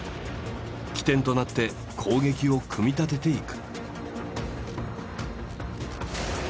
起点となって攻撃を組み立てていく。